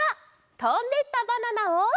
「とんでったバナナ」を。